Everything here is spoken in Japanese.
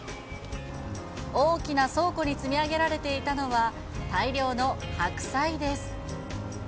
大きな倉庫に積み上げられていたのは、大量の白菜です。